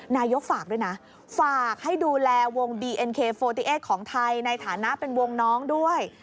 นายกฝากด้วยนะฝากให้ดูแลวงบีเอ็นเคโฟติเอสของไทยในฐานะเป็นวงน้องด้วย